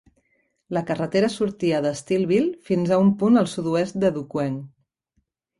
La carretera sortia de Steeleville fins a un punt al sud-oest de DuQuoin.